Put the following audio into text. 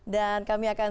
dan kami akan